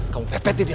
kamu pepet dia